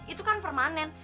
itu kan permanen